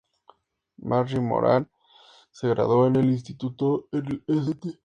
Margie Moran se graduó en el instituto en el St.